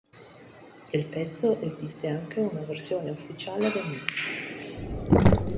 Del pezzo esiste anche una versione ufficiale Remix.